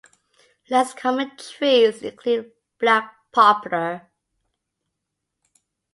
Less common trees include black poplar.